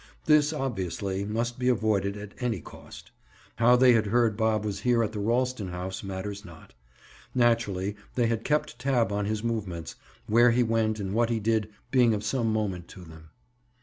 This, obviously, must be avoided at any cost. How they had heard Bob was here at the Ralston house, matters not. Naturally they had kept tab on his movements, where he went and what he did being of some moment to them.